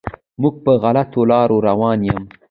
موږ په غلطو لارو روان یم.